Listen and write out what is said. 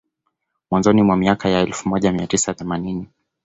Mwanzoni mwa miaka ya elfu moja mia tisa themanini